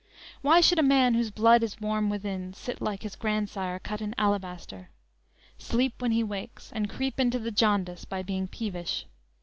Why should a man whose blood is warm within, Sit like his grandsire cut in alabaster? Sleep when he wakes? and creep into the jaundice, By being peevish?